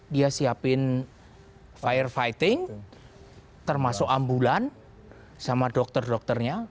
dia siapin fire fighting termasuk ambulan sama dokter dokternya